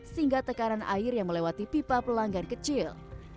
sehingga tekanan air yang melewati pipa pelanggan kecil